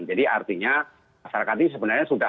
jadi artinya masyarakat ini sebenarnya sudah